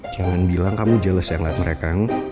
jangan bilang kamu jeles yang lihat mereka